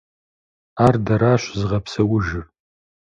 Ар дэращ зыгъэпсэужыр.